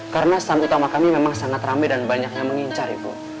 karena stun utama kami memang sangat ramai dan banyak yang mengincar ibu